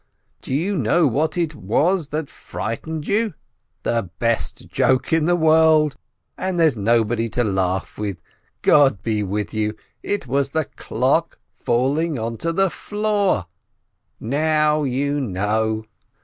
Do you know what it was that frightened you? The best joke in the world, and there's nobody to laugh with! God be with you, it was the clock falling onto the floor — now you know!